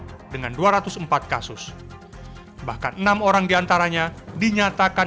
pacitan mencatatkan angka kasus terbanyak dengan dua ratus empat kasus bahkan enam orang diantaranya dinyatakan